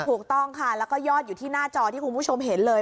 ถูกต้องค่ะแล้วก็ยอดอยู่ที่หน้าจอที่คุณผู้ชมเห็นเลย